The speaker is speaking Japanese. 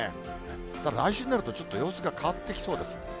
ただ来週になると、ちょっと様子が変わってきそうです。